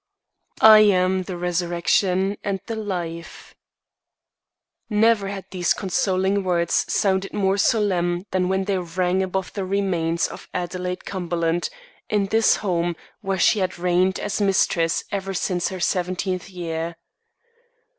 "I am the resurrection and the life." Never had these consoling words sounded more solemn than when they rang above the remains of Adelaide Cumberland, in this home where she had reigned as mistress ever since her seventeenth year.